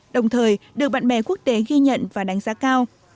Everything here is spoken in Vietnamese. đồng thời được bạn bè quốc tế ghi nhận và đánh giá cao